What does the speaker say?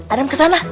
adam ke sana